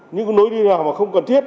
những lối đi nào mà không cần thiết